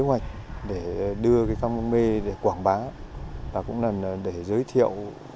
kế hoạch để đưa cái căng bắc mê để quảng bá và cũng là để giới thiệu